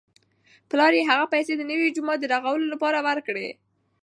پلار یې هغه پیسې د نوي جومات د رغولو لپاره ورکړې.